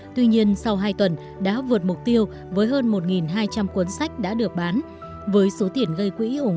tuy nhiên sau hai tuần đã vượt mục tiêu với hơn một hai trăm linh cuốn sách đã được bán với số tiền gây quỹ ủng hộ gần bảy mươi triệu đồng